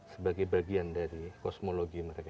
sebagai bagian dari kosmologi mereka